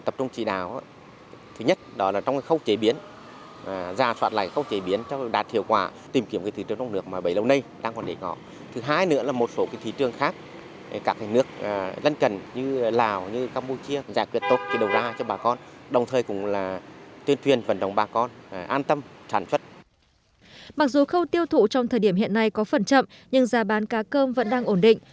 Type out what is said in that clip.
mặc dù khâu tiêu thụ trong thời điểm hiện nay có phần chậm nhưng giá bán cá cơm vẫn đang ổn định